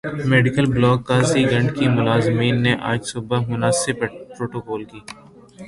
medical block Qazigund کے ملازمین نے آج صبح مناسب پروٹوکول ک